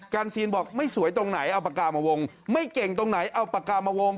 ซีนบอกไม่สวยตรงไหนเอาปากกามาวงไม่เก่งตรงไหนเอาปากกามาวง